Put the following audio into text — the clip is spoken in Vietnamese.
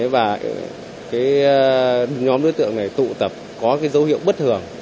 và nhóm đối tượng này tụ tập có dấu hiệu bất thường